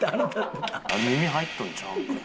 あれ耳入っとんちゃうんか？